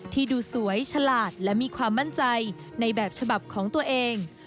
ดูสวยฉลาดและมีความมั่นใจในแบบฉบับของตัวเอง